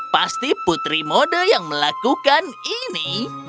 pasti putri mode yang melakukan ini